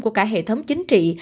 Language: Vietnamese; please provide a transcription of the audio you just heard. của cả hệ thống chính trị